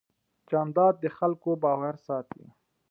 جانداد د خلکو باور ساتي.